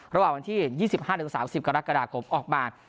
ระหว่างวันที่๒๕๓๐กรกฎาคมออกมา